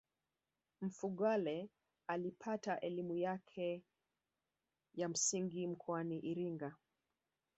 mfugale alipata elimu yake ya msingi mkoani iringa